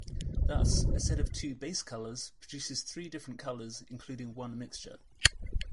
Thus, a set of two base colours produces three different colours including one mixture.